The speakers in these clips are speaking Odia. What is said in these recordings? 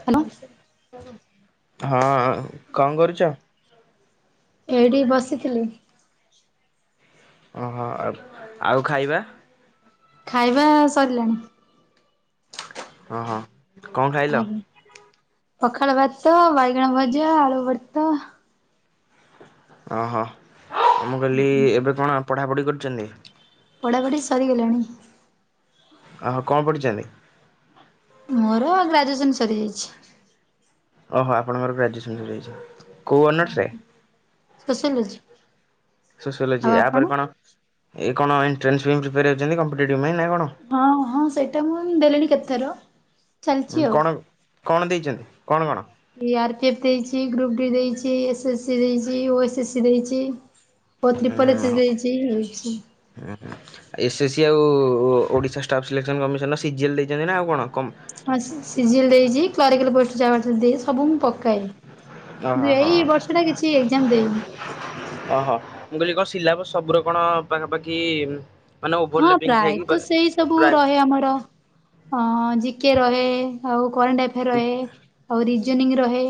ହ୍ୟାଲୋ ହଁ କଣ୍ କରୁଚ? ଏଇଠି ବସିଥିଲି। ଓହୋ ଆଉ- ଆଉ ଖାଇବା? ଖାଇବା ସରିଲାଣି। ହଁ ହଁ। କଣ ଖାଇଲ? ଆଜ୍ଞା। ପଖାଳ ଭାତ, ବାଇଗଣ ଭଜା, ଆଳୁ ଭରତା। ଅ ହ। ମୁଁ କହିଲି ଏବେ କଣ ପଢ଼ାପଢ଼ି କରୁଛନ୍ତି? ପଢ଼ାପଢ଼ି ସରି ଗଲାଣି। ଅ ହ। କଣ ପଢିଛନ୍ତି? ମୋର ଗ୍ରାଜୁଏସନ ସରିଯାଇଛି। ଓହୋ ଆପଣଙ୍କର ଗ୍ରାଜୁଏସନ ସରିଯାଇଛି। କୋଉ ଅନର୍ସରେ ଆଜ୍ଞା। ସୋସିଓଲୋଜି। ସୋସିଓଲୋଜି, ଆଉ ଆ ଆପଣ ପରେ କଣ ଏ କଣ ଏଣ୍ଟ୍ରାସ୍ ପାଇଁ ପ୍ରିପାର ହଉଛନ୍ତି କମ୍ପିଟେଟିଭ୍ ପାଇଁ ନା କଣ? ହଁ ହଁ ସେଇଟା ମୁଁ ଦେଲିଣି କେତେଥର। ଚାଲିଛି ଆଉ। କଣ କଣ ଦେଇଛନ୍ତି କଣ କଣ? ଇ ଆର୍ ପି ଏଫ୍ ଦେଇଚି, ଗ୍ରୁପ ଡି ଦେଇଚି, ଏସ ଏସ ସି ଦେଇଚି, ଓ ଏସ ସି ଦେଇଚି। ଓ ଟ୍ରିପଲ୍ ଏସି ଦେଇଚି। [unintelligible] [unintelligible] ଏସ ସି ଆଉ ଓଡିଶା ଷ୍ଟାଫ ସିଲେକ୍ସନ କମିଶନ ର ସିଜିଏଲ ଦେଇଛନ୍ତି ନା ଆଉ କଣ? ହଁ ସି ଜି ଏଲ ଦେଇଚି କ୍ଲରିକାଲ୍ ପୋଷ୍ଟ ଯାହା ବାହାରିଥିଲା ଦିଏ। ସବୁ ମୁଁ ପକାଏ। ଓହୋ କିନ୍ତୁ ଏଇ ହଁ ବର୍ଷ ଟା କିଛି ଏକ୍ଜାମ୍ ଦେଇନି। ଓହୋ। ମୁଁ କହିଲି କଣ ସିଲାବସ୍ ସବୁର କଣ ପାଖାପାଖି ମାନେ ହଁ ଓଭରଲାପିଂ ଥାଏ କି ପ୍ରାୟତଃ ସେଇ ସବୁ ପ୍ରାୟ ରହେ ଆମର। ହଁ ଜିକେ ରହେ, ଆଉ କରେଣ୍ଟ ଆଫେୟାର ରହେ। ଆଉ ରିଜନିଂ ରହେ।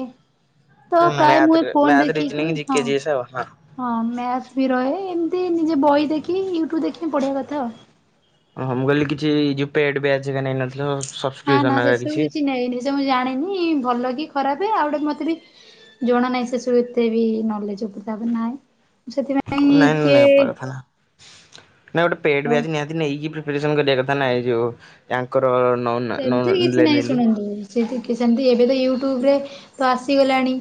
ହଁ ତ ପ୍ରାୟ ମୁଁ ମ୍ୟାଥରେ ଏ ଫୋନ ମ୍ୟାଥ ରିଜନିଂ ଦେଖିକିନି ହଁ। [unintelligible] ହଁ ମ୍ୟାଥ ବି ରହେ। ଏମତି ନିଜେ ବହି ଦେଖି ୟୁଟ୍ୟୁବ ଦେଖିକି ପଢିବା କଥା ଆଉ। ଅ ହଁ। ମୁଁ କହିଲି କିଛି ଯୋଉ ପେଡ ବ୍ୟାଚ୍ ହେରିକା ନେଇ ନଥିଲ? ନା ନା ସେସବୁ କିଛି ନେଇଁନି। ସେ ମୁଁ ଜାଣିନି ଭଲ କି ଖରାପେ ଆଉ ଗୋଟେ ମତେ ବି ଜଣା ନାହିଁ ସେସବୁ ଏତେ ବି ନଲେଜ୍ ଉପରେ। ତାପରେ ନାଇଁ। ସେଥିପାଇଁ ନାଇଁ ନାଇଁ କିଏ ହବା କଥା ନା। ନାଇଁ ଗୋଟେ ପେଡ୍ ହଉ ବ୍ୟାଚ୍ ନିହାତି ନେଇକି ପ୍ରିପେରେସନ କରିବା କଥା ନା, ଏଇ ଯୋ ଆଙ୍କର ନନ୍ ସେମତି କିଛି ନାହିଁ ଶୁଣନ୍ତୁ। ସେମତି ଏବେ ବି ୟୁଟ୍ୟୁବ ରେ ତ ଆସିଗଲାଣି।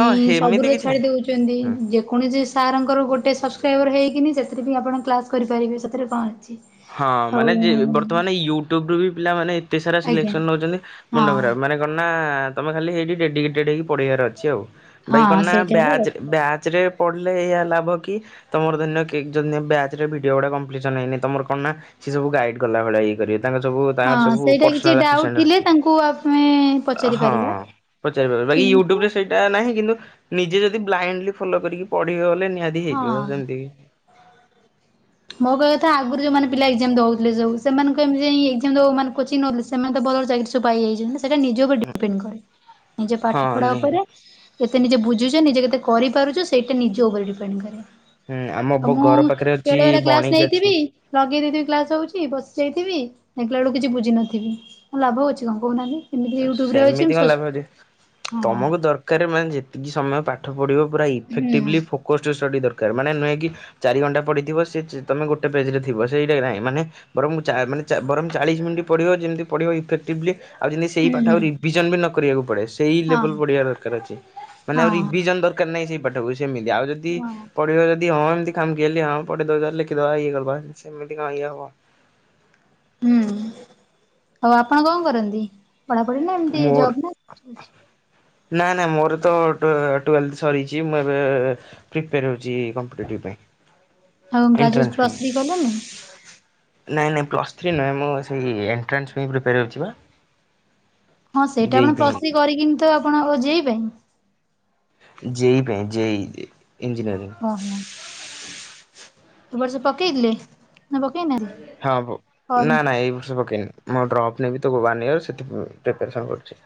ଇଁ ସେମିତି ସବୁୁର କିଛି ନାହିଁ। ଛାଡି ଦଉଛନ୍ତି। ହୁଁ। ଯେ କୌଣସି ସାର୍ ଙ୍କର ଗୋଟେ ସବସ୍କ୍ରାଇବର ହେଇକିନି ସେଥିରେ ବି ଆପଣ କ୍ଲାସ୍ କରିପାରିବେ, ସେଥିରେ କଣ ଅଛି। ହଁ। ଆଉ ମାନେ ଯେ ବର୍ତ୍ତମାନ ୟୁଟ୍ୟୁବ ରୁ ବି ପିଲାମାନେ ଏତେସାରା ଆଜ୍ଞା ସିଲେକ୍ସନ ନଉଛନ୍ତି ମୁଣ୍ଡ ହଁ ଖରାପ୍। ମାନେ କଣ ନା ତମେ ଖାଲି ହେଇଠି ଡେଡିକେଟେଡ୍ ହେଇକି ପଢ଼ିବାର ଅଛି ଆଉ। ବାକି କଣ ହଁ ନା ସେଇଟା ହେଲା ବ୍ୟାଚ୍ କଥା ବ୍ୟାଚ୍ ରେ ପଢିଲେ ଏହିଆ ଲାଭ କି ତମର ଧରିନିଏ କିଏ ଯଦି ବ୍ୟାଚ୍ ରେ ଭିଡିଓ ଗୁଡ଼ା କମ୍ପଲିସନ ହେଇନି ତମର କଣ ନା ସିଏ ସବୁ ଗାଇଡ୍ କଲା ଭଳିଆ ଇଏ କରିବେ। ତାଙ୍କର ସବୁ ତାଙ୍କର ହଁ ସବୁ ସେଇଟା କିଛି ପର୍ସନାଲ ଡାଉଟ୍ ଆସିଷ୍ଟାଣ୍ଟ ଥିଲେ ଅଛି। ତାଙ୍କୁ ଆମେ ପଚାରି ହଁ। ପାରିବା ପଚାରିପାରିବେ। ବାକି କିନ୍ତୁ ୟୁଟୁବରେ ସେ ଏଟା ନାହିଁ କିନ୍ତୁ ନିଜେ ଯଦି ବ୍ଲାଇଣ୍ଡଲି ଫଲୋ କରିକି ପଢିବ ବଲେ ନିହାତି ହେଇଯିବ। ହଁ ସେମିତି ବି ମୋ କହିବା କଥା ଆଗରୁ ଯୋଉମାନେ ପିଲ ଏଜ୍ଜାମ୍ ଦଉଥିଲେ ଯୋଉ ସେମାନେ କଣ ଏମିତି ଯାଇ ଏଜ୍ଜାମ୍ ଦବାକୁ ମାନେ କୋଚିଂ ନଉଥିଲେ। ସେମାନେ ତ ଭଲ ଭଲ ଚାକିରି ସବୁ ପାଇଯାଇଛନ୍ତି ନା। ସେଇଟା ନିଜ ଉପରେ ଡିପେଣ୍ଡ କରେ। ନିଜ ହଁ ପାଠ ପଢ଼ା ନିହାତି। ଉପରେ। କେତେ ନିଜେ ବୁଝୁଚ ନିଜେ କେତେ କରିପାରୁଚ ସେଇଟା ନିଜ ଉପରେ ଡିପେଣ୍ଡ କରେ। ହୁଁ ଆମ ବ ଆଉ ମୁଁ ଘର ପାଖରେ ଅଛି ବେଳେବେଳେ କ୍ଲାସ୍ ବଣିକି ଅଛି। ନେଇଥିବି ଲଗେଇ ଦେଇଥିବି କ୍ଲାସ୍ ହଉଚି ବସି ଯାଇଥିବି ଦେଖିଲା ବେଳକୁ କିଛି ବୁଝି ନଥିବି। ଲାଭ ଅଛି କଣ କହୁନାହାନ୍ତି। ଏମିତି ୟୁଟ୍ୟୁବ ରେ ଅଛି ମୁଁ ସେମିତି କଣ ସର୍ଚ୍ଚ ଲାଭଅଛି ହଁ ତମକୁ ଦର୍ କାର ମାନେ ଯେତିକି ସମୟ ପାଠ ପଢ଼ିବ, ପୁରା ହୁଁ ଇଫେକ୍ଟିଭଲି ଫୋକସ୍ଡ ଷ୍ଟଡ଼ି ଦରକାର ମାନେ ନୁହେଁ କି ଚାରି ଘଣ୍ଟା ପଢିଥିବ ସେ ତମେ ଗୋଟେ ପେଜରେ ଥିବ ସେଇଟାହିଁ ମାନେ ବରଂ ଚା ବରଂ ଚାଳିଶ ମିନିଟ୍ ପଢିବ ଯେମିତି ପଢିବ ଇଫେକ୍ଟିଭଲି ଆଉ ଯେମି ସେଇ ହୁଁ ପାଠ ହୁଁ ଆଉ ରିଭିଜନବି ନକରିବାକୁ ପଡ଼େ ସେଇ ହଁ ଲେବଲ୍ ପଢିବା ଦରକାର ଅଛି ମାନେ ଆଉ ହଁ ରିଭିଜନ ଦର କାର ନାହିଁ ସେଇ ପାଠକୁ, ସେମିତି ଆଉ ଯଦି ହଁ ପଢିବ ଯଦି ହଁ ଏମିତି ଖାମଖିଆଲି ହଁ ପଢ଼ିଉଦଚ ଲେଖି ଦବା ଇଏ କରିଦେବା ସେମିତି କଣ ଇଏ ହବ। ହୁଁ ଆଉ ଆପଣ କଣ କରନ୍ତି, ପଢାପଢି ନା ଏମିତି ମୋର ଜବନା ଅଲଗା କିଛି? ନା ନା ମୋରତ ଟୁଏଲ ତୁଏଲ୍ଥ ସରିଚି ମୁଁ ଏବେ ପ୍ରିପାର ହେଉଚି କମ୍ପିଟେଟିଭ ଆଉ ପାଇଁ ଗ୍ରାଜୁ ଏଣ୍ଟ୍ରାନ୍ସ ପାଇଁ। ପ୍ଲସ୍ ଥ୍ରୀ କଲେନି? ନାଇଁ ନାଇଁ ପ୍ଲସ୍ ଥ୍ରୀ ନୁହେଁ, ମୁଁ ସେଇ ଏଣ୍ଟ୍ରାନ୍ସ ପାଇଁ ପ୍ରିପେୟାର ହେଉଚିପା। ହଁ ସେଇଟା ଆପଣ ପ୍ଲସ୍ ଥ୍ରି କରିକିନିତ ଆପଣ ଜେ ଇ ପାଇଁ। ଜେ ଇ ପାଇଁ ଜେ ଇ ଇଞ୍ଜିନିୟରିଂ। ହଁ ହଁ। ଏ ବର୍ଷ ପକେଇଥିଲେ? ନା ପକେଇନାହାନ୍ତି ହଁ ପ ଫର୍ମ? ନା ନାଁ ଏଇ ବର୍ଷ ପକେଇନି। ମୁଁ ଡ୍ରପ୍ ନେବିତ ୱାନ୍ ଇୟର ସେଥି ପାଇଁ ପ୍ରିପାରେସନ୍ କରୁଚି।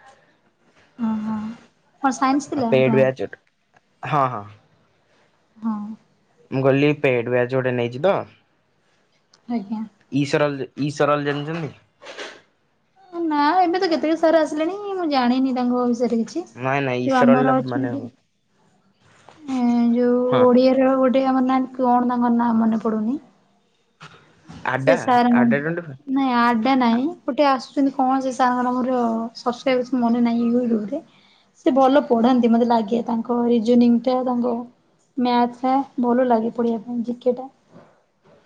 ହଁ ହଁ କଣ ସାଇନ୍ସ [unintelligible] ଆ ଥିଲା ପେଡ୍ ଆପଣଙ୍କର ଵ୍ୟାଚ ଟେ ହଁ ହଁ। ହଁ। ମୁଁ କହିଲି ପେଡ୍ ବ୍ଯାଚ ଗୋଟେ ନେଇଚିତ ଆଜ୍ଞା। ଈଶ୍ୱରଲ ଈଶ୍ୱରଲ୍ ଜାଣିଚନ୍ତି ନା ଏବେତ କେତେକ ସାର୍ ଆସିଲେଣି ମୁଁ ଜାଣିନି ତାଙ୍କ ବିଷୟରେ କିଛି। ନାଇଁ ନାଇଁ ଯୋଉ ଇସରଲ୍ ଟା ଆମର ମାନେ ଅଚନ୍ତି ହଁ ଯୋଉ ଓଡ଼ିଆରେ ଯୋଉ ଗୋଟେ ଆମର ନାହାନ୍ତି କଣ ତାଙ୍କର ନାଁ ମନେ ପଡ଼ୁନି ସେ ଆଡା ସାର୍ ଙ୍କ ଆଡା ଟ୍ୱେଣ୍ଟି ଫୋର୍ ନାଇଁ ଆଡା ନାଇଁ ଗୋଟେ ଆସୁଛନ୍ତି କଣ ସେ ସାରଙ୍କର ସବସ୍କ୍ରାଇବସନ୍ ମନେ ନାହିଁ ୟୁୁଟୁବରେ ସେ ଭଲ ପଢାନ୍ତି ମତେ ଲାଗେ ତାଙ୍କ ରିଜନିଙ୍ଗ୍ ଟା ତାଙ୍କ ମ୍ୟାକ୍ସ ଭଲ ଲାଗେ ପଢିବା ପାଇଁ ଜି କେ ଟା।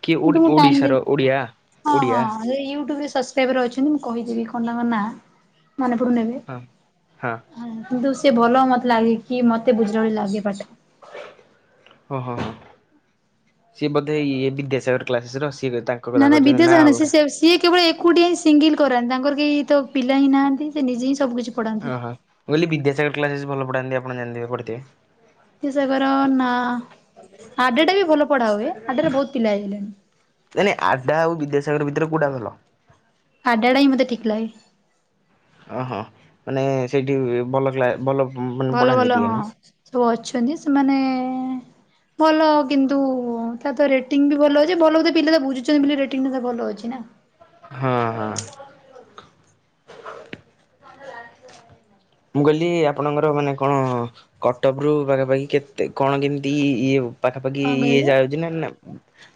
କି କିନ୍ତୁ ଓଡ଼ି ମୁଁ ଟାଇମ୍ ଦେଇ ଓଡ଼ିଶାର ଓଡ଼ିଆ ହଁ ଓଡ଼ିଆ ହଁ। ହଁ ସେ ୟୁଟ୍ୟୁବରେ ସବସ୍କ୍ରାଇବର ଅଛନ୍ତି, ମୁଁ କହିଦେବି କଣ ତାଙ୍କ ନାଁ ମନେ ପଡ଼ୁନି ଏବେ। ହଁ ହଁ। ହ କିନ୍ତୁ ସେଭଲ ମତେ ଲାଗେକି, ମତେ ବୁଝିଲା ଭଳି ଲାଗେ ପାଠ। ଓଁ ହଁ ହଁ ସିଏ ବୋଧେ ଇଏ ବିଦ୍ୟାସାଗର କ୍ଲାସେସର, ସିଏ ତାଙ୍କ ନା କଥା ନା କହୁଛନ୍ତି ବିଦ୍ୟସାଗର ନୁହଁ ସିଏ ଅଲଗା ସେ ସେ ସିଏ କେବଳ ଏକୁଟିଆ ହିଁ ସିଙ୍ଗିଲ୍ କରନ୍ତି, ତାଙ୍କର କେହିତ ପିଲାହିଁ ନାହାନ୍ତି ସେ ନିଜେହିଁ ସବୁ କିଛି ପଢାନ୍ତି। ଓହୋ ମୁଁ କହିଲି ବିଦ୍ୟାସାଗର କ୍ଲାସେସ ଭଲ ପଢାନ୍ତି, ଆପଣ ଜାଣିଥିବେ ପଢିଥିବେ। ବିଦ୍ୟାସାଗର ନା ଆଡେଟାବି ଭଲ ପଢା ହୁଏ ଆଡେରେ ବହୁତ୍ ପିଲା ହେଇଗଲେଣି। ମାନେ ଆଡା ଆଉ ବିଦ୍ୟାସାଗର ଭିତରେ କଉଟା ଭଲ? ଆଡାଟାହିଁ ମତେ ଠିକ୍ ଲାଗେ। ଓହୋ ମାନେ ସେଇଠି ଭଲ କ୍ଲା ଭଲ ମାନେ ଭଲ ପଢ଼ାନ୍ତି ଭଲ ଟିକେ ହଁ ନୁହଁ ସବୁ ଅଛନ୍ତି ସେମାନେ ଭଲ କିନ୍ତୁ ତା ତ ରେଟିଙ୍ଗ ବି ଭଲ ଅଛି ଭଲ ବୋଧେ ପିଲା ତ ବୁଝୁଛନ୍ତି ବୋଲି ରେଟିଂଟା ଭଲ ଅଛି ନା। ହଁ ହଁ। ମୁଁ କହିଲି ଆପଣଙ୍କର ମାନେ କଣ କଟକ ରୁ ପାଖାପାଖି କେତେ କଣ କେମିତି ଇଏ ପାଖାପାଖି କଣ ଇଏ କହିଲେ ଯାଉଚିନା ନା।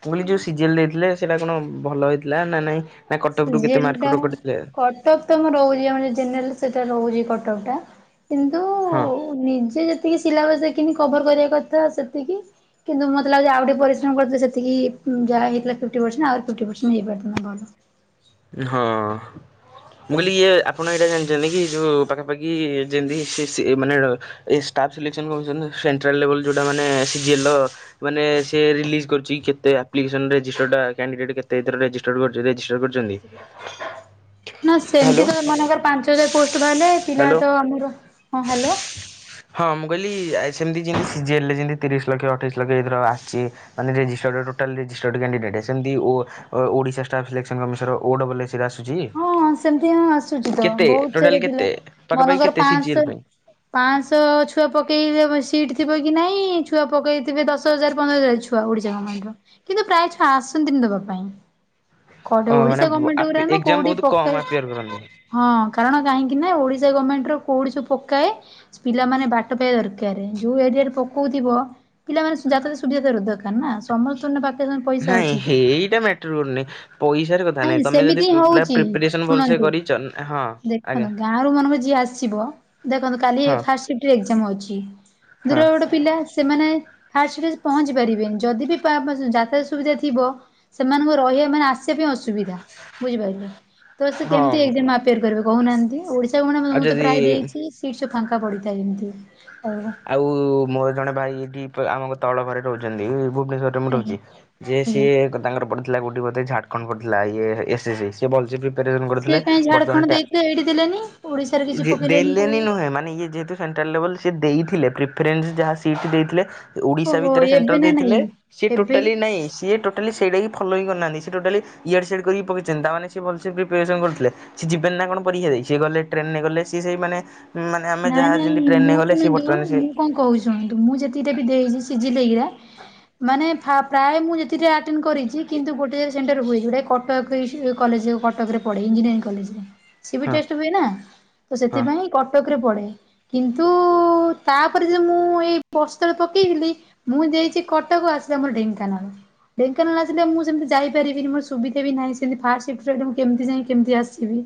ପୁଣି ଯୋଉ ସି ଜି ଏଲ ଦେଇଥିଲେ ସେଇଟା କଣ ଭଲ ହେଇଥିଲା ନା ନାଇଁ। ନାଇଁ କଟକ ରୁ କେତେ ସିଜିଏଲ ଟା ମାର୍କଟ କଟି ଥିଲା। କଟକ ତମର ଓରିଆ ମାନେ ଜେନେରାଲ ସେଇଟା ରହୁଛି କଟକଟା। କିନ୍ତୁ ହଁ ନିଜେ ଯେତିକି ସିଲାବସ ଦେଖିନି କଭର କରିବା କଥା ସେତିକି। କିନ୍ତୁ ମୋତେ ଲାଗୁଛି ଆଉଟିକେ ପରିଶ୍ରମ କରିଥିଲେ ସେତିକି ଯା ହେଇଥିଲା ଫିପ୍ଟି ପର୍ଶନ ଆଉ ଫିପ୍ଟି ପର୍ଶନ ହେଇପାରିଥାନ୍ତା ଭଲ। ହଁ। ମୁଁ କହିଲି ଇଏ ଆପଣ ଏଇଟା ଜାଣିଛନ୍ତି କି ଯେଉଁ ପାଖାପାଖି ଯେମିତି ସେ ସେ ମାନେ ଏ ଷ୍ଟାଫ୍ ସିଲେକ୍ସନ କମିସନ ନା ସେଣ୍ଟ୍ରାଲ୍ ଲେବଲ୍ ଯେଉଁଟା ମାନେ ସିଜିଏଲ୍ର ମାନେ ସେ ରିଲିଜ୍‌ କରୁଛି କେତେ ଆପ୍ଲିକେସନ ରେଜିଷ୍ଟର୍ଟା କ୍ୟାଣ୍ଡିଡେଟ୍ କେତେ ଏ ଇଥିରେ ରେଯିଷ୍ଟର୍ କରୁଛି ରେଜିଷ୍ଟର୍ କରୁଛନ୍ତି। ନା ସେମିତି ତ ଏମାନଙ୍କର ପାଞ୍ଚ ହଜାର ପୋଷ୍ଟ ବାହାରିଲେ ପିଲା ହ୍ୟାଲୋ ତ ଆମର ହଁ ହ୍ୟାଲୋ। ହଁ ମୁଁ କହିଲି ସେମତି ଯିମିତି ସି ଜି ଏ ଲ ରେ ଯେମିତି ତିରିଶ ଲକ୍ଷ ଅଠେଇଶ ଲକ୍ଷ ଏଥିର ଆସିଛି। ମାନେ ରେଜିଷ୍ଟର ଟୋଟାଲ୍ ରେଜିଷ୍ଟର୍ଡ କ୍ଯଣ୍ଡିଡେଟ୍ ସେମତି Odisha staff selection ମିସର O double AC ର ଆସୁଛି। ହଁ ସେମିତି ହଁ ଆସୁଛି ତ କେତେ ବହୁତ ଟୋଟାଲ୍ ସାରା ପିଲା କେତେ ପାଖାପାଖି ମନକର କେତେ ସିଜିଏଲ୍ ପାଁସେ ପାଇଁ ପାଁଶହ ଛୁଆ ପକେଇ ବେ ସିଟ୍ ଥିବ କି ନାଇଁ ଛୁଆ ପକେଇଥିବେ ଦଶ ହଜାର ପନ୍ଦର ହଜାର ଛୁ ଆ ଓଡିଶା ଗମେଣ୍ଟ ର କିନ୍ତୁ ପ୍ରାୟ ଛୁଆ ଆସନ୍ତିନି ଦବା ପାଇଁ। କୋଠି ଓ ମାନେ ଓଡିଶା ଗମେଣ୍ଟ ଗୁରା ନା ଏକ୍ଜାମ୍ କୋଉଠି ବହୁତ ପ କମ୍ ଆପିୟର କରନ୍ତି। ହଁ କାରଣ କାହିଁକି ନା ଓଡିଶା ଗଭର୍ଣ୍ଣମେଣ୍ଟ ର କୋଉଠି ସବୁ ପକାଏ ପିଲାମାନେ ବାଟ ପାଇବା ଦରକାର ଯୋଉ ଏରିଆରେ ପକଉଥିବ ପିଲାମାନେ ଯାତିରେ ସୁବିଧା ପାଇବା ଦରକାର ନା ସମର୍ଥନ ନେବା ନାଇଁ ଏଇଟା ମେଟର କରୁନି ପଇସାର କଥ ନାଇଁ ସେମିତି ହଉଚି ଶୁଣନ୍ତୁ କରିଛ ହଁ ଆଜ୍ଞା ଦେଖନ୍ତୁ ଗାଁ ରୁ ମନେକର ଯିଏ ଆସିବ। ଦେଖନ୍ତୁ କାଲି ହଁ ଫାଷ୍ଟେ ସିପ୍ଟ ଏଗ୍ଜାମ ଅଛି ହଁ ଯଉଟା ଗୋଟେ ପିଲା ସେମାନେ ଫାଷ୍ଟ ସିପ୍ଟ ପହଞ୍ଚି ପାରିବେନି ଯଦି ବି ପା ମା ଯାତ୍ରା ସୁବିଧା ଥିବ ସେମାନଙ୍କୁ ରହିବା ମାନେ ଆସି ସେଥିପାଇଁ ଅସୁବିଧା ବୁଝିପାରିଲେ ତ ସେ ହଁ କେମିତି ଏକ୍ଜାମା ଆଉ ତିଆରି କରିବ କହୁନାହାନ୍ତି ଓଡିଶା ସେ ମୁଁ ନା ମୁଁ ତ ପ୍ରାୟ ଯଦି ଦେଇଛି ସିଟ୍ ସବୁ ଫାଙ୍କା ପଡିଥାଏ ଏମିତି ଆଉ। ଆଉ ମୋର ଜଣେ ଭାଇ ଏଠି ଆମ ତଳ ଘରେ ରହୁଛନ୍ତି ଏଇ ଭୁବନେଶ୍ଵର [unintelligible] ଆଜ୍ଞା ରହୁଛି ଯିଏ ଆଜ୍ଞା। ସିଏ ତାଙ୍କର ପଢିଥିଲା ଗୋଠି ବୋଧେ ଝାଡଖଣ୍ଡ ପଢିଥିଲା ଇଏ ଏସ ଏ ସେ ଭଲସେ ପ୍ରିପାରସନ୍ ସେ କରିଥିଲେ କାହିଁ ବଟ୍ ଜଣେ ଝାଡଖଣ୍ଡ ଟ୍ୟା ଦେଇଥିଲେ ଏଇଠି ଦେଲେନି ଓଡିଶାରେ କିଛି ଯିଏ ପକେଇଲେନି ଦେଲି ଦେଲି କୋଉ ନୁହେଁ ମାନେ ଇଏ ଯେହେତୁ ସେଣ୍ଟାଲ ଲେବୁଲ୍‌ ସିଏ ଦେଇଥିଲେ ପ୍ରିଫରେନ୍ସ ଯାହା ସିଟ୍ ଦେଇଥିଲେ। ଓଡିଶା ଓହୋ ଭିତରେ ସେଣ୍ଟର ଏବେ ନା ଦେଇଥିଲେ ନାଇଁ ସିଏ ଟୋଟାଲି ଏବେ ନାଇଁ ସିଏ ଟୋ ଟୋଟାଲି ସେଇଟା ଫଲୋଇ କରିନାହାନ୍ତି ସେ ଟୋଟାଲି ୟାଡ଼ ସିଆଡ଼ କରି ପକେଇଛନ୍ତି ତାମାନେ ସେ ଭଲସେ ପ୍ରିପାରେସନ୍ କରିଥିଲେ। ସି ଯିଵେନି ନା କଣ ପରୀକ୍ଷା ଦେଇ ସିଏ ଗଲେ ଟ୍ରେନ ନେ ଗଲେ ସେ ସେଇ ମାନେ ମାନେ ଆମେ ନା ଯାହା ନାଇଁ ଯେମିତି ଟ୍ରେନ ନେ ମୁଁ ଗଲେ ସେ ଗୋ ଶୁଣନ୍ତୁ ମୁଁ କଣ କହୁଛୁୁ ମୁଁ ଯେତିକିଟା ବି ଦେଇଛି ସିଝିଲେଇକିରା। ମାନେ ଫା ପ୍ରାୟ ମୁଁ ଯେତିକିଟା ଆଟେନେ କରିଛି କିନ୍ତୁ ଗୋଟେ ସେଣ୍ଟର ହୁଏ ଯୋଉଟା କ କଟକ କଲେଜ କଟକରେ ପଢେ ଇଞ୍ଜିନିୟରିଂ କଲେଜରେ। ସି ବି ହଁ ଟେଷ୍ଟ ହୁଏ ନା ତ ହଁ। ସେଥିପାଇଁ କଟକ ରେ ପଡେ। କିନ୍ତୁ ତାପରେ ଯେ ମୁଁ ଏଇ ପୋଷ୍ଟଏର୍ ପକାଇଥିଲି। ମୁଁ ଦେଇଛି କଟକ ଆସିଲା ମୋର ଢେଙ୍କାନାଳ। ଢେଙ୍କାନାଳ ଆସିଲେ ମୁଁ ସେମତି ଯାଇପାରିବିନି ମୋ ସୁବିଧା ବି ନାହିଁ ସେମିତି ଫାଷ୍ଟ ସିଫ୍ଟରେ ମୁ କେମିତି ଯାଇଁ କେମିତି ଆସିଵି। ଯିବି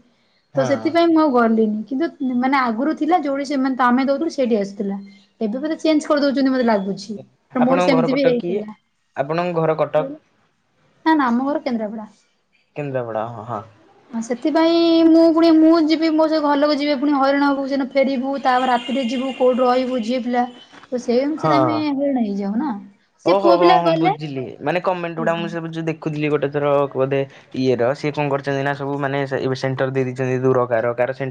ତ ସେଥିପାଇଁ ହଁ। ମୁଁ ଆଉ ଗଲିନି କିନ୍ତୁ ମାନେ ଆ ଆଗୁରୁ ଥିଲା ଯୋଉଠି ସେମାନେ ତ ଆମେ ଦଉଥିଲୁ ସେଇଠି ଆସୁଥିଲା ଏବେ ବୋଧେ ଚେଞ୍ଜ କରିଦଉଛନ୍ତି ମୋତେ ଲାଗୁଛି। ହୁଁ ମୋର ଆପଣଙ୍କ ଘର ସେମତି ବି କଟକ କି? ହେଇଥିଲା। ଆପଣଙ୍କ ଘର କଟକ ନାଁ ନାଁ ଆମ ଘର କେନ୍ଦ୍ରପଡ଼ା। କେନ୍ଦ୍ରାପଡା ହଁ ହଁ। ହଁ ସେଥିପାଇଁ ମୁଁ ପୁଣି ମୁଁ ଯିବି ମୋ ସହ ଘରଲୋକ ଯିବେ ପୁଣି ହଇରାଣ ହବୁ। ଯୋଉ ଦିନ ଫେରିବୁ ତାପରେ ରାତିରେ ଯିବୁ କଉଠି ରହିବୁ ଝିଅ ପିଲା। ତ ସେଇ ଅନୁସାରେ ଆମେ ହଁ। ହଇରାଣ ହେଇଯାଉ ନା। ସେ ଓହୋ ପୁଅ ହଁ ପିଲା ହଁ ବୁଝିଲି ମାନେ କମେଣ୍ଟ ଗୁଡା ମୁଁ ଗଲେ ସବୁ ଯୋଉ ଦେଖୁଥିଲି ଗୋଟେ ଥର ବୋଧେ। ଇଏ ର ସିଏ କଣ କରୁଛନ୍ତି ନା ସବୁ ମାନେ ସେ ଏବି ସେଣ୍ଟର ଦେଇ ଦେଇଛନ୍ତି ଦୂର କାର କାର ସେ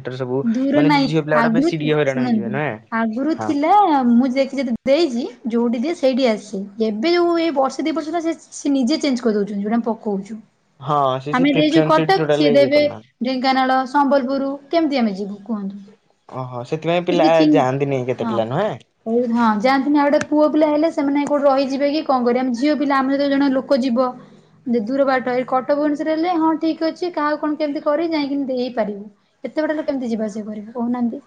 ଦୂର ନାଇଁ ଆଗୁରୁ ଥିଲା ହଇରାଣ ହେଇଯିବେ ଶୁଣନ୍ତୁ ନୁହେଁ। ଆଗୁରୁ ହଁ। ଥିଲା ମୁଁ ଯେତେ ଯେ ଦେଇଛି ଯୋଉଠି ଦିଏ ସେଇଠି ଆସେ, ଏବେ ଯୋଉ ଏଇ ବର୍ଷ ଦି ବର୍ଷ ହେଲା ସେ ନିଜେ ଚେଞ୍ଜ କରିଦଉଛନ୍ତି ଯୋଉଠି ଆମେ ପ କଉଛୁ ହଁ ସେ ସେ ଆମେ ଦେଇଛୁ ପ୍ରିଫରେନ୍ସ କଟକ ସିଏ ଟୋଟାଲି ଇଏ ଦେବେ। କରୁନାହାନ୍ତି। ଢେଙ୍କାନାଳ, ସମ୍ବଲପୁରୁ କେମିତି ଆମେ ଯିବୁ କୁହନ୍ତୁ। ଓହୋ ସେଥିପାଇଁ ପିଲା ଯାଆନ୍ତିନି କେତେ ପିଲା ନୁହେଁ। ସେଇ ହଁ ଯାଆନ୍ତିନି ଆଉ ଗୋଟେ ପୁଅ ପିଲା ହେଲେ ସେମାନେ କୋଉଠି ରହିଯିବେ କି କଁ କରିବେ ଆମେ ଝିଅ ପିଲା ଆମ ସହିତ ଜଣେ ଲୋକ ଯିବ। ଯଦି ଦୂର ବାଟ ଏଇ କଟକ ଭୁବନେଶ୍ୱର ହେଲେ ହଁ ଠିକ ଅଛି କାହାକୁ କଣ କେମିତି କରି ଯାଇକିନି ଦେଇହେଇ ପାରିବୁ। ଏତେ ବାଟ ହେଲେ କେମତି ଯିବା ଆସିବା କରିବୁ କହୁନାହାନ୍ତି?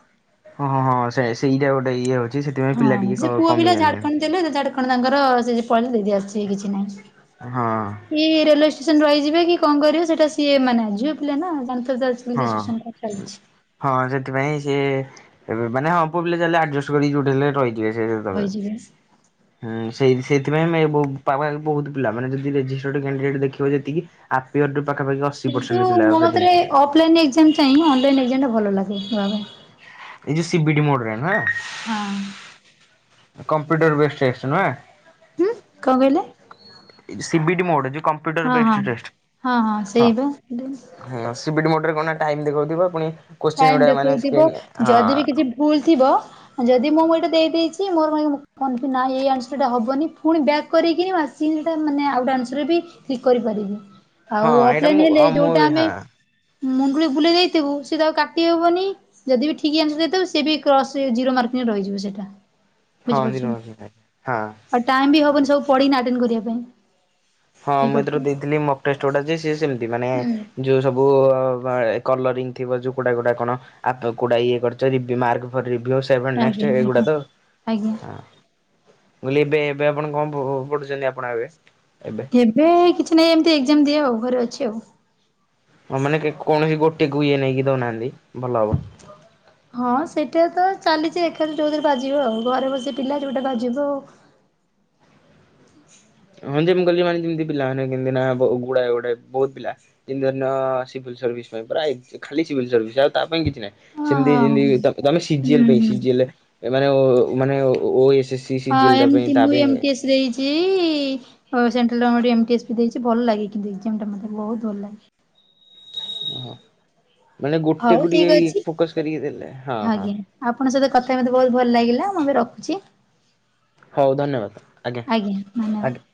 ହଁ ହଁ ହଁ ସେ ସେଇଟା ଗୋଟେ ଇଏ ଅଛି ସେଥିପାଇଁ ପିଲା ଟିକେ କ କମି ଯାଆନ୍ତି। ଦେଲୁ ଜେଝା ବାଟେ କଣ ତାଙ୍କର ସେ ଯେ ପଳେଇଲେ ଦେଇ ଦେଇ ଆସିଲେ କିଛି ନାହିଁ। ହଁ। କି ରେଲୱେ ଷ୍ଟେସନ ରେ ରହିଯିବେ କି କଣ କରିବେ ସେଟା ସିଏ ମାନେ ଝିଅ ପିଲା ନା ଜାଣିଥିବେ ତ ଆ କେମତି ହଁ। ସିଚୁଏସନ୍ କଁ ଚାଲିଛି। ହଁ ସେଥିପାଇଁ ସିଏ ଏବେ ମାନେ ହଁ ପୁଅ ପିଲା ଚାହିଁଲେ ଆଡଜେଷ୍ଟ କରିକି ଯୋଉଠି ହେଲେ ରହିଯିବେ। [unintelligible] ରହିଯିବେ। ହୁଁ ସେଇ ସେଇଥିପାଇଁ ମାନେ ବ ପାୱାର ରେ ବହୁତ ପିଲା ମାନେ ଯଦି ରେଜିଷ୍ଟର୍ଡ କ୍ୟାଣ୍ଡିଡେଟ୍ ଦେଖିବ ଯେତିକି। ଆପିଅରଡ୍ ପାଖାପାଖି ଅ କିନ୍ତୁ ମୋ ମତରେ ଅଫଲାଇନ ଏକ୍ଜାମ ଚାଁହି ଅନଲାଇନ ଏକ୍ଜାମ ଟା ଭଲ ଲାଗେ ଦବାପାଇଁ। ଏଇ ଯୋଉ ସିିବିଟି ମୋଡରେ ନୁହେଁ। ହଁ। କମ୍ପ୍ୟୁଟର ବେସ୍ ଟେଷ୍ଟ ନୁହେଁ। ହୁଁ କଁ କହିଲେ? ଏଇ ଯୋ ସିବିଡି ମୋଡ ଯୋ କମ୍ ହଁ ହଁ ହଁ ହଁ ସେଇ ବା ହଁ ସିିବିଡି ମୋଡରେ କଣ ନା ଟାଇମ ଦେଖଉଥିବ ପୁଣି। କୋଶ୍ଚିନ୍ ଟାଇମ ଗୁଡା ମାନେ ଦେଖଉଥିବ ସ୍କ୍ରିନ୍ ହଁ। ଯଦି ବି କିଛି ଭୁଲ ଥିବ। ଯଦି ମୁଁ ମୁଁ ଏଇଟା ଦେଇ ଦେଇଛି ମୋର କଁ କନ୍ଫୂଜ ନା ଏଇ ଆନ୍ସର ଟା ହବନି ଫୁଣି ବ୍ୟାକ୍ କରିକି ଆସ ଚିନ ଟା ମାନେ ଆଉଟା ଆନ୍ସର ବି କ୍ଲିକ କରିପାରିବୁ ହଁ ଆଉ ଏଇଟା ମୁଁ ଅଫଲାଇନ ହେଲେ ହଁ ମୁଁ ଯୋଉଟା ଆମେ ହଁ ମୁଣ୍ଡୁଳି ବୁଲେଇ ଦେଇ ଥିବୁ। ସେ ତା ଆଉ କାଟି ହବନି ଯଦି ବି ଠିକ୍ ଆନ୍ସର ହେଇଥିବ ସିଏ ବି କ୍ରସ ଜିରୋ ମାର୍କିରେ ରହିଯିବ ସେଇଟା। ହଁ ବୁଝି ପାରୁଛନ୍ତି ନିରମା ହଁ। ଆଉ ଟାଇମି ବି ହବନି ସବୁ ପଢି କିନା ଆଟେନ କରିବା ପାଇଁ। ହଁ ମୁଁ ଏଥର ବୁଝିପାରୁଛନ୍ତି ଦେଇଥିଲି ମକଟେଷ୍ଟ ଗୋଟା ଯେ ସିଏ ସେମିତି ମାନେ। ହୁଁ। ଯୋଉ ସବୁ ଅ ବା ଏ କଲରିଙ୍ଗ ଥିବ ଯୋଉ କୋଉଟା କୋଉଟା କଣ। ଆଫ୍ଟର କୋଉଟା ଇଏ କରିଛ, ରିଭିୟୁ ମାର୍କ ଫର ରିଭିୟୁ ସେଭେ ଆଜ୍ଞା ନେଷ୍ଟେ ଏଇ ଗୁଡ଼ା ଆଜ୍ଞା ତ ଆଜ୍ଞା ଆଉ। ମୁଁ କହିଲି ଏବେ ଏବେ ଆପଣ କଁ ପ ପ ପଢୁଛନ୍ତି ଆପଣ ଏବେ? ଏବେ। ଏବେ କିଛି ନାହିଁ ଏମିତି ଏଗ୍ ଜାମ୍ ଦିଏ ଆଉ ଘରେ ଅଛି ଆଉ। ହଁ ମାନେ କେ କୌଣସି ଗୋଟେକୁ ଇଏ ନେଇକି ଦଉନାହାନ୍ତି ଭଲ ହବ। ହଁ ସେଇଟା ତ ଚାଲିଛି ଦେଖାଯାଉ ଯୋଉଥିରେ ବାଜିବ ଆଉ ଘରେ ବସି ପିଲା ଯୋଉଟା ବାଜିବ ଆଉ ହଁ ଯେ ମୁଁ କଇଲି [unintelligible] ଯେମିତି ପିଲାମାନେ କେମିତି ନା ହବ ଉଗୁଡାଏ ଗୁଡାଏ ବହୁତ ପିଲା। [unintelligible] ସିଭିଲ୍‌ ସର୍ଭିସ ପାଇଁ [unintelligible] ଖାଲି ସିଭିଲ୍ ସର୍ଭିସ ଆଉ ତା ପାଇଁ କିଛି ନାଇଁ। ହଁ ସେମିତି ହଁ ଯେମିତି ତ-ତମେ ହୁଁ ସିଜିଏଲ ପାଇଁ ହୁଁ ସିଜିଏଲ ରେ ମାନେ ଓ ମାନେ ଓ ଓଏସେ ସି ସି ସିଜିଏଲ ଟା ପାଇଁ ତା ପାଇଁ ଦେଇଚି ଅ central government M T S ବି ଦେଇଚି। ସେ ଭଲ ଲାଗେ କିନ୍ତୁ ଏକ୍ଜାମ ଟା ମତେ ବହୁତ ଭଲ ଲାଗେ। ଓହୋ ମାନେ ହଉ ଗୋଟେକୁ ଠିକ ଟିକିଏ ଇଏ ଅଛି। ଫୋକସ କରିକି ଦେଲେ ହଁ ହଁ। ଆଜ୍ଞା ଆପଣଙ୍କ ସହିତ କଥା ହେଇ ମୋତେ ବହୁତ ଭଲ ଲାଗିଲା ମୁଁ ଏବେ ରଖୁଚି। ହଉ ଧନ୍ୟବାଦ ଆଜ୍ଞା ଆଜ୍ଞ